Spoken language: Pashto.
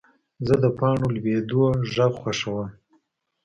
زه د پاڼو لوېدو غږ خوښوم.